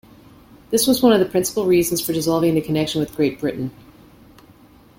This was one of the principal reasons for dissolving the connection with Great Britain.